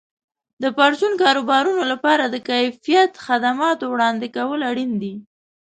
د پرچون کاروبارونو لپاره د کیفیت خدماتو وړاندې کول اړین دي.